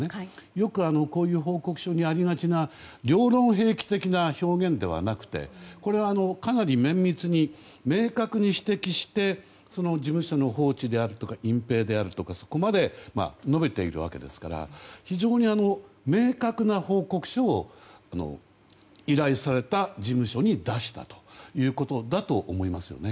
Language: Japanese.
よくこういう報告書にありがちな両論併記的な表現ではなくてこれはかなり綿密に明確に指摘して事務所の放置であるとか隠ぺいであるとかそこまで述べているわけですから非常に明確な報告書を依頼された事務所に出したということだと思いますね。